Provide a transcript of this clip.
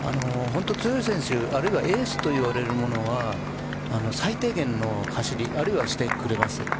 本当に強い選手あるいはエースといわれる者は最低限の走りはしてくれます。